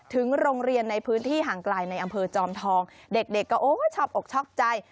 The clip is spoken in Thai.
ถึงโรงเรียนในพื้นที่ห่างไกลในอำเภอจอมทองเด็กก็โอ้ชอบอกชอบใจ